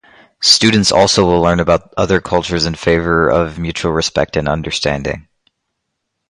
Students also will learn about other cultures in favor of mutual respect and understanding.